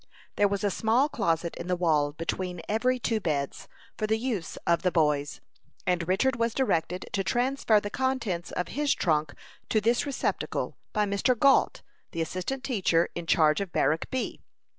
There was a small closet in the wall between every two beds, for the use of the boys, and Richard was directed to transfer the contents of his trunk to this receptacle, by Mr. Gault, the assistant teacher in charge of Barrack B.